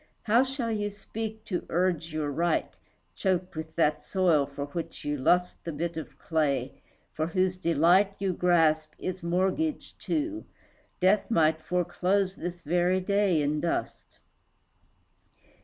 How shall you speak to urge your right, Choked with that soil for which you lust The bit of clay, for whose delight You grasp, is mortgaged, too; Death might Foreclose this very day in dust.